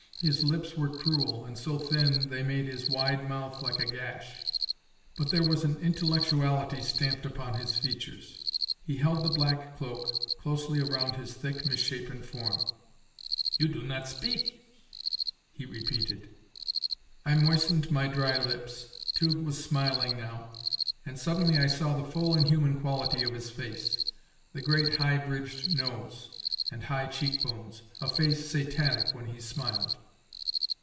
His lips were cruel, and so thin they made his wide mouth like a gash. But there was an intellectuality stamped upon his features. He held the black cloak closely around his thick, misshapen form. "You do not speak," he repeated. I moistened my dry lips. Tugh was smiling now, and suddenly I saw the full inhuman quality of his face the great high bridged nose, and high cheek bones; a face Satanic when he smiled.